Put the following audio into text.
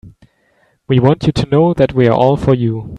We want you to know that we're all for you.